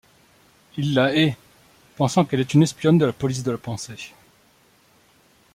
Il la hait, pensant qu'elle est une espionne de la Police de la Pensée.